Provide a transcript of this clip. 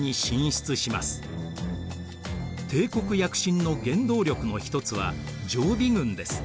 帝国躍進の原動力の一つは常備軍です。